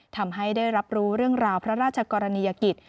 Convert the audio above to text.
ทำให้ได้รับรู้เรื่องราวพระราชกรณียกิจ